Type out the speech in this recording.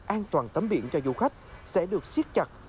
an toàn tấm biển cho du khách sẽ được siết chặt